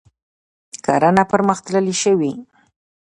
کرنه پرمختللې شوې.